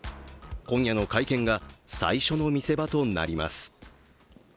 今夜の会見が最初の見せ場となります。